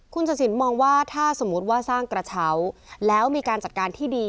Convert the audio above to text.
คุณศักดิ์สินมองว่าถ้าสมมุติว่าสร้างกระเช้าแล้วมีการจัดการที่ดี